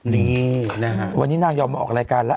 นี่นะฮะวันนี้นางยอมมาออกรายการแล้ว